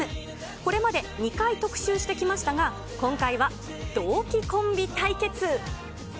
これまで、２回特集してきましたが、今回は同期コンビ対決。